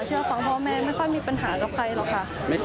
เชื่อฟังพ่อแม่ไม่ค่อยมีปัญหากับใครหรอกค่ะ